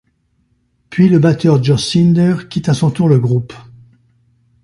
Puis le batteur Josh Sinder quitte à son tour le groupe.